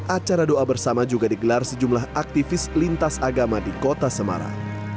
acara doa bersama juga digelar sejumlah aktivis lintas agama di kota semarang